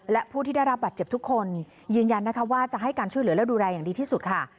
และผู้ที่ได้รับบัตรเจ็บทุกคนยืนยันนะคะว่าจะให้การช่วยเหลือและดูแลอย่างดีที่สุดค่ะ